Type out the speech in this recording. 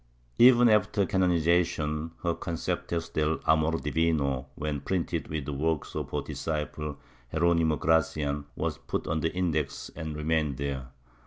Even after canonization her Concepios del Amor divino, when printed with the works of her disciple Jeronimo Gracian, were put on the Index and remained there.